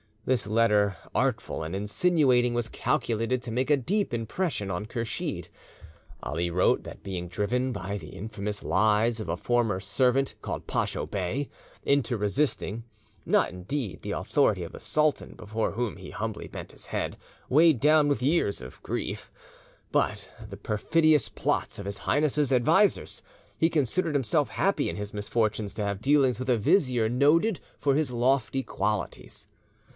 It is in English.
This letter, artful and insinuating, was calculated to make a deep impression on Kursheed. Ali wrote that, being driven by the infamous lies of a former servant, called Pacho Bey, into resisting, not indeed the authority of the sultan, before whom he humbly bent his head weighed down with years and grief, but the perfidious plots of His Highness's advisers, he considered himself happy in his misfortunes to have dealings with a vizier noted for his lofty qualities.